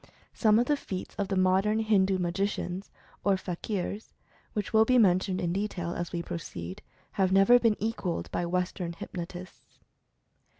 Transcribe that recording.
Some of the feats of the modern Hindu magicians, or fakirs, which will be men tioned in detail, as we proceed, have never been equalled by Western hypnotists.